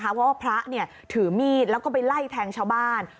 เพราะว่าพระถือมีดแล้วก็ไปไล่แทงชาวบ้าน